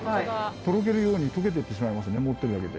とろけるように溶けていってしまいますね持ってるだけで。